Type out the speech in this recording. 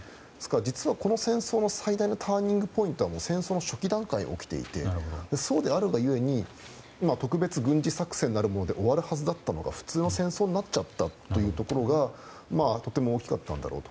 実は、この戦争の最大のターニングポイントは戦争の初期段階で起きていてそうであるがゆえに特別軍事作戦なるもので終わるはずだったのが普通の戦争になっちゃったというところがとても大きかったんだろうと。